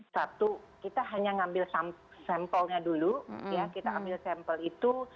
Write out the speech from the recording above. satu kita hanya ngambil sampelnya dulu ya kita ambil sampel itu